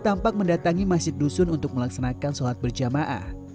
tampak mendatangi masjid dusun untuk melaksanakan sholat berjamaah